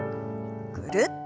ぐるっと。